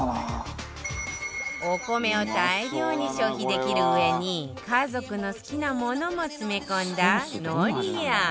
お米を大量に消費できるうえに家族の好きなものも詰め込んだノリア